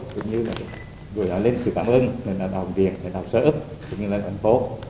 chúng tôi gửi lời lên sự cảm ơn đồng viện đồng sở ức đồng phố